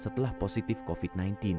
setelah positif covid sembilan belas